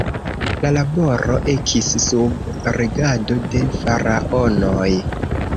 La laboro ekis sub regado de Faraonoj.